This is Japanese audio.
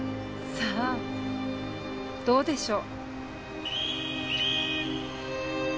さあどうでしょう。